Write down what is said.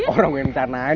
orang gue yang rencanain